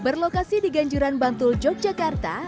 berlokasi di ganjuran bantul yogyakarta